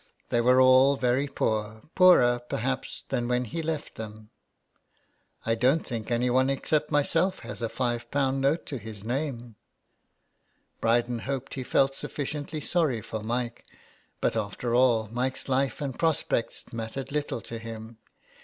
They were all very poor — poorer, perhaps, than when he left them. " I don't think anyone except myself has a five pound note to his name/' Bryden hoped he felt sufficiently sorry for Mike. But after all Mike's life and prospects mattered little to him.